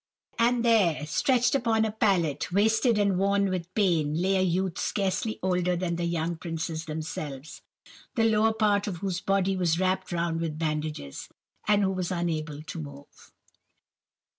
And there, stretched upon a pallet, wasted and worn with pain, lay a youth scarcely older than the young princes themselves, the lower part of whose body was wrapped round with bandages, and who was unable to move.